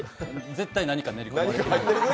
絶対何か練り込まれてる。